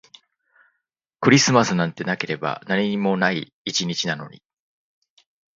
クリスマスなんてなければ何にもない一日なのに